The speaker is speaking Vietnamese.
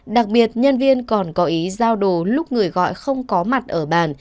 đặc biệt nhân viên còn có ý giao đồ lúc người gọi không có mặt ở bàn